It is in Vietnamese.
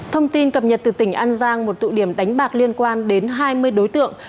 thông tin cập nhật từ tỉnh an giang một tụ điểm đánh bạc liên quan đến hai mươi đối tượng